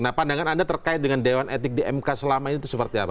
nah pandangan anda terkait dengan dewan etik di mk selama ini itu seperti apa